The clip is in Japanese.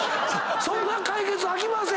そんな解決あきません！